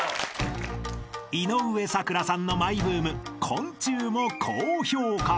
［井上咲楽さんのマイブーム「昆虫」も高評価］